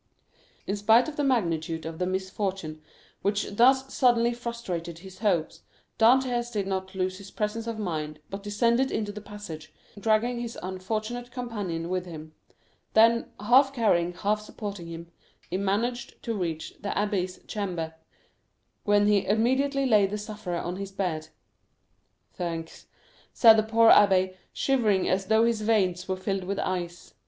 In spite of the magnitude of the misfortune which thus suddenly frustrated his hopes, Dantès did not lose his presence of mind, but descended into the passage, dragging his unfortunate companion with him; then, half carrying, half supporting him, he managed to reach the abbé's chamber, when he immediately laid the sufferer on his bed. "Thanks," said the poor abbé, shivering as though his veins were filled with ice.